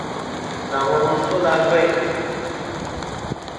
Nà wom nɨ̀n fêl a gvêyn.